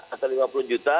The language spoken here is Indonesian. atau lima puluh juta